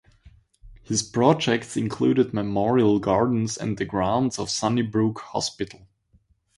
His projects included Memorial Gardens and the grounds of Sunnybrook Hospital.